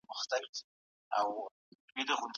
کله به نړیواله ټولنه قونسلګري تایید کړي؟